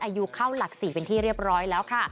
อายุเข้าหลัก๔เป็นที่เรียบร้อยแล้วค่ะ